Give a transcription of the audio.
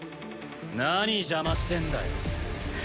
何邪魔してんだよ